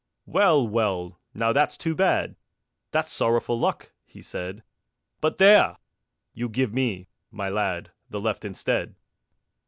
"Well, well. Now that's too bad! That's sorrowful luck," he said; "But there! You give me, my lad, The left instead."